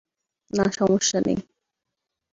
না, সমস্যা নেই।